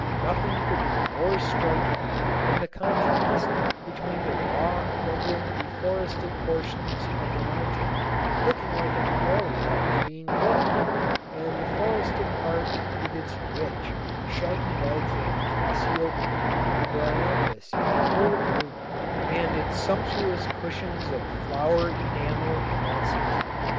Nothing could be more striking than the contrast between the raw, crumbling, deforested portions of the mountain, looking like a quarry that was being worked, and the forested part with its rich, shaggy beds of cassiope and bryanthus in full bloom, and its sumptuous cushions of flower enameled mosses.